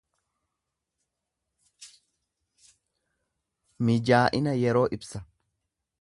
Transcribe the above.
Mijaa'ina yeroo ibsa.